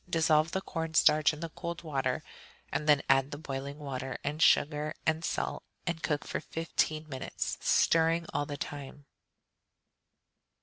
Dissolve the corn starch in the cold water, and then add the boiling water and sugar and salt, and cook for fifteen minutes, stirring all the time.